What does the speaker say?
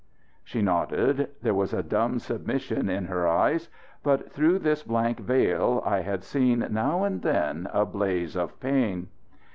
She nodded. There was a dumb submission in her eyes; but through this blank veil I had seen now and then a blaze of pain.